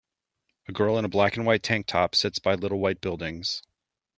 A girl in a black and white tank top sits by little white buildings.